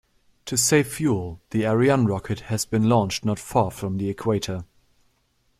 To save fuel, the Ariane rocket has been launched not far from the equator.